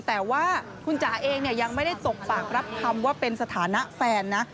แต่ว่าคุณจ๋าเองยังไม่ได้ตกปากรับคำว่าเป็นสถานะแฟนนะ